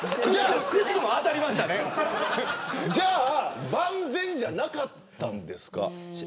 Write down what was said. じゃあ、万全じゃなかったんですか。